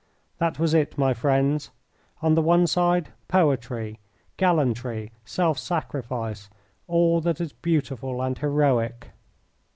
That was it, my friends! On the one side, poetry, gallantry, self sacrifice all that is beautiful and heroic.